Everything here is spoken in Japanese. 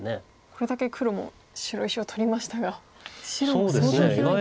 これだけ黒も白石を取りましたが白も相当広いですね。